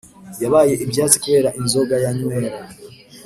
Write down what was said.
Yabaye ibyatsi kubera inzoga yanywera